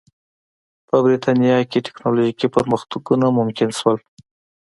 په برېټانیا کې ټکنالوژیکي پرمختګونه ممکن شول.